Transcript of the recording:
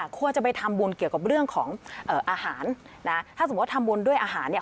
ควรจะไปทำบุญเกี่ยวกับเรื่องของอาหารนะถ้าสมมุติทำบุญด้วยอาหารเนี่ย